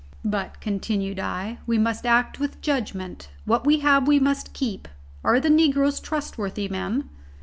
"But," continued I, "we must act with judgment. What we have we must keep. Are the negroes trustworthy men?"